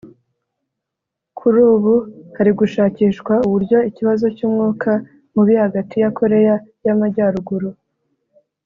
Kuri ubu hari gushakishwa uburyo iki kibazo cy’umwuka mubi hagati ya Koreya y’Amajyaruguru